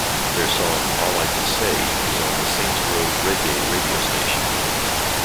Their song "All I Can Say" is on the Saints Row reggae radiostation.